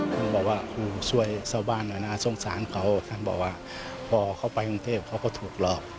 ท่านบอกว่าครูช่วยชาวบ้านหน่อยนะสงสารเขาท่านบอกว่าพอเขาไปกรุงเทพเขาก็ถูกหลอก